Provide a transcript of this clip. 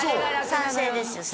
賛成です